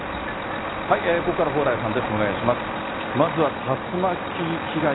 ここからは蓬莱さんです。